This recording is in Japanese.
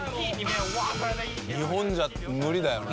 日本じゃ無理だよね